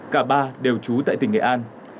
cả ba đều trú tại tỉnh nghệ an